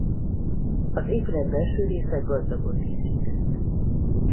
Az épület belső része gazdagon díszített.